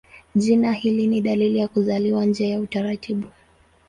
Jina hili ni dalili ya kuzaliwa nje ya utaratibu.